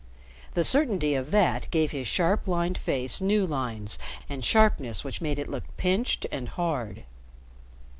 The certainty of that gave his sharp, lined face new lines and sharpness which made it look pinched and hard.